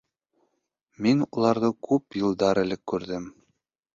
Мин уларҙы күп йылдар элек күрҙем.